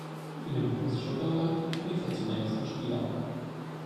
Für den TuS Schutterwald lief er zunächst als Spieler auf.